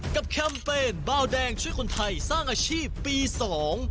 แคมเปญเบาแดงช่วยคนไทยสร้างอาชีพปีสอง